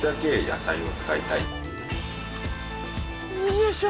よいしょ！